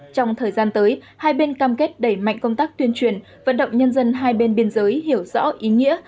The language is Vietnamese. trong thời gian tới hai bên cam kết đẩy mạnh công tác tuyên truyền vận động nhân dân hai bên biên giới hiểu rõ ý nghĩa